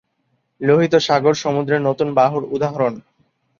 লোহিত সাগর সমুদ্রের নতুন বাহুর উদাহরণ।